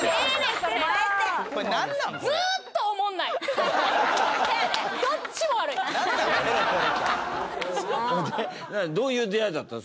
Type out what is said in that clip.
それでどういう出会いだったの？